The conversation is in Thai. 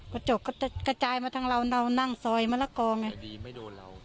กระจกก็จะกระจายมาทางเราเรานั่งซอยมะละกอไงดีไม่โดนเรา